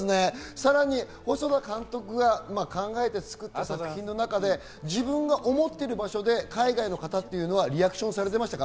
さらに細田監督が考えて作った作品の中で、自分が思っている場所で海外の方っていうのはリアクションされていましたか？